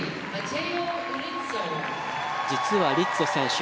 実はリッツォ選手